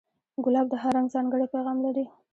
ګلاب د هر رنگ ځانګړی پیغام لري.